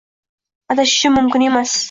Adashishim mumkin emas